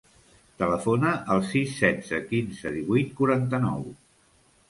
Telefona al sis, setze, quinze, divuit, quaranta-nou.